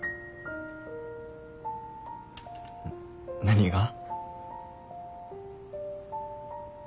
何が？